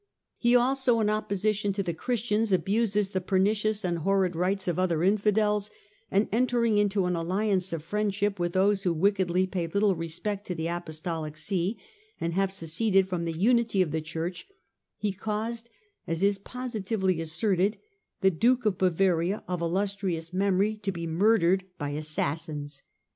" He also, in opposition to the Christians, abuses the pernicious and horrid rites of other infidels, and entering into an alliance of friendship with those who wickedly pay little respect to the Apostolic See and have seceded from the unity of the Church, he caused, as is positively asserted, the Duke of Bavaria, of illustrious memory, to be murdered by assassins.